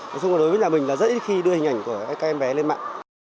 nói chung là đối với nhà mình là dễ khi đưa hình ảnh của các em bé lên mạng